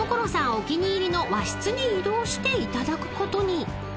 お気に入りの和室に移動していただくことに］